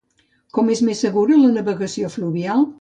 Com és més segura la navegació fluvial?